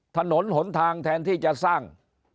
ถนนหนทางแทนที่จะสร้าง